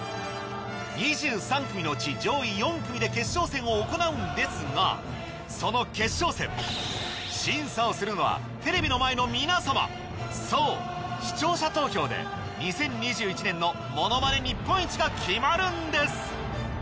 ２３組のうち上位４組で決勝戦を行うんですがその決勝戦審査をするのはテレビの前の皆様そう視聴者投票で２０２１年のものまね日本一が決まるんです